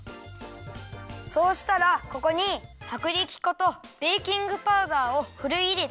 そうしたらここにはくりき粉とベーキングパウダーをふるいいれて。